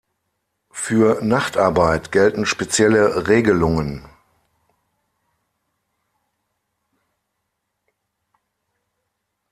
Für Nachtarbeit gelten spezielle Regelungen.